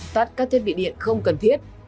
tắt các thiết bị điện không cần thiết